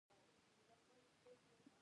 ته ښه انسان یې.